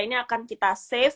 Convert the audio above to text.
ini akan kita save